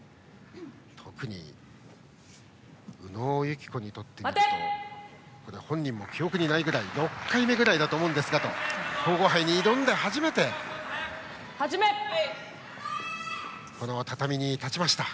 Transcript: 特に、宇野友紀子にとってみると本人も記憶にないくらい６回目ぐらいだと思うんですがとこの皇后杯に挑んで初めて準々決勝の畳に立ちました。